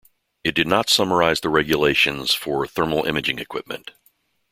It did not summarize the regulations for thermal-imaging equipment.